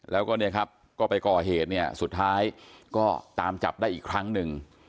แล้วก็เนี่ยครับก็ไปก่อเหตุเนี่ยสุดท้ายก็ตามจับได้อีกครั้งหนึ่ง